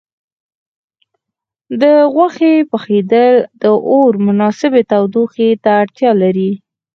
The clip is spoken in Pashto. د غوښې پخېدل د اور مناسبې تودوخې ته اړتیا لري.